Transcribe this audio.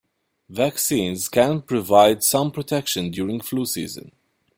Vaccines can provide some protection during flu season.